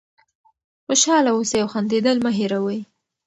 خوشحاله اوسئ او خندېدل مه هېروئ.